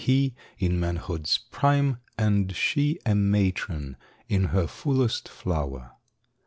He in manhood's prime And she a matron in her fullest flower.